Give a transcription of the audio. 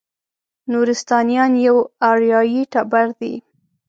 نورستانیان یو اریایي ټبر دی.